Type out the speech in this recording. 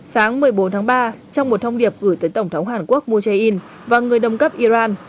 sáng một mươi bốn tháng ba trong một thông điệp gửi tới tổng thống hàn quốc moon jae in và người đồng cấp iran